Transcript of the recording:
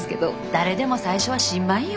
誰でも最初は新米よ。